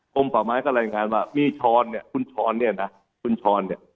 ป่าไม้ก็รายงานว่ามีช้อนเนี่ยคุณช้อนเนี่ยนะคุณช้อนเนี่ย